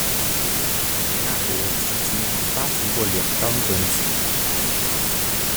梅纳德迄今已发行过两张专辑。